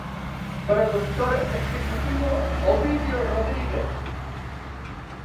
Productor Ejecutivo: "Ovidio Rodríguez".